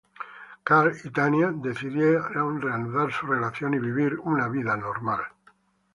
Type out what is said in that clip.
Karl y Tanya decidió reanudar su relación y vivir una vida normal.